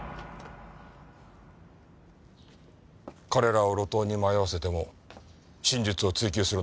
彼らを路頭に迷わせても真実を追究するのか？